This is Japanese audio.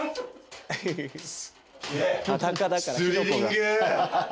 すっげえ。